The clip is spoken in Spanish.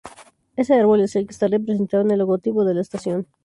Ese árbol es el que está representado en el logotipo de la estación.